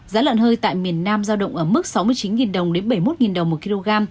giá lợn hơi tại miền nam giao động ở mức sáu mươi chín đồng đến bảy mươi một đồng một kg